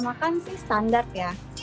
makan sih standar ya